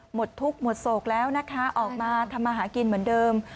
หมดทุกข์หมดโศกแล้วนะคะออกมาทำมาหากินเหมือนเดิม